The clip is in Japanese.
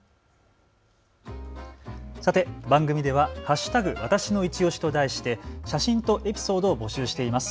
さて、番組では＃わたしのいちオシと題して写真とエピソードを募集しています。